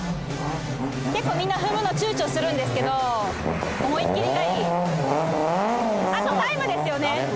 結構みんな踏むの躊躇するんですけど思いっきりがいいあとタイムですよね